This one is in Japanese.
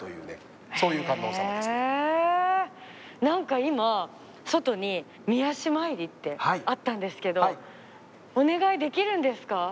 何か今外に「御足参り」ってあったんですけどお願いできるんですか？